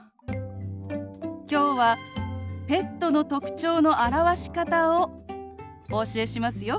きょうはペットの特徴の表し方をお教えしますよ。